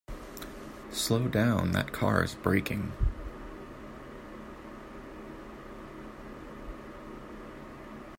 Slow down, that car is braking!